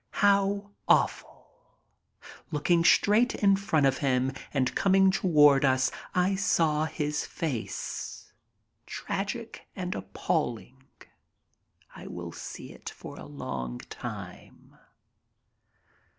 How awful ! Looking straight in front of him and coming toward us, I saw his face. Tragic and appalling. I will see it for a long time.